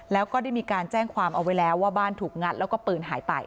แล้วก็ได้มีการแจ้งความเอาไว้แล้วว่าบ้านถูกงัดแล้วก็ปืนหายไป